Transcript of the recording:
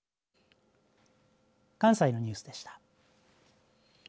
関西のニュースでした。